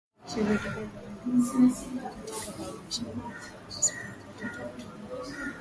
shughuli za uendelezaji wa Jiji katika Halmashauri za Manispaa zote tatu